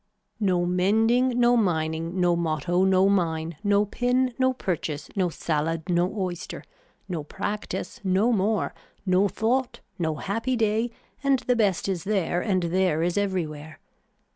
No mending, no mining, no motto, no mine, no pin, no purchase no salad no oyster, no practice, no more, no thought, no happy day and the best is there and there is everywhere.